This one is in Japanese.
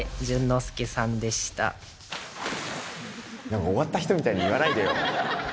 何か終わった人みたいに言わないでよ。